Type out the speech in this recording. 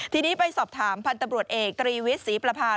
ทีนี้ไปสอบถามพันธุ์ตำรวจเอกตรีวิทย์ศรีประพา